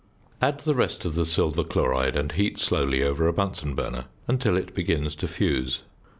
Add the rest of the silver chloride and heat slowly over a Bunsen burner until it begins to fuse.